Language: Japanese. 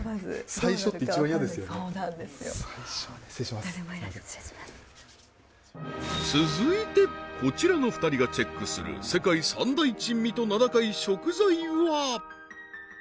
最初続いてこちらの２人がチェックする世界三大珍味と名高い食材は？